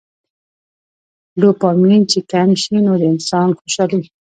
ډوپامين چې کم شي نو د انسان څوشالي